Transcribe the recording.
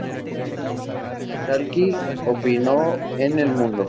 Calki opinó en "El Mundo":.